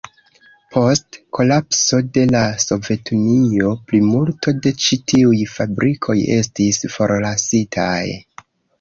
Post kolapso de la Sovetunio plimulto de ĉi tiuj fabrikoj estis forlasitaj.